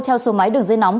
theo số máy đường dây nóng